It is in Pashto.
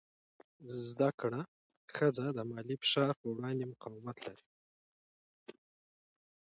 زده کړه ښځه د مالي فشار په وړاندې مقاومت لري.